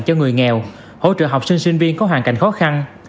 cho người nghèo hỗ trợ học sinh sinh viên có hoàn cảnh khó khăn